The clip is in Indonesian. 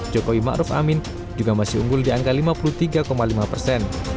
jokowi ma'ruf amin juga masih umpul di angka lima puluh tiga lima persen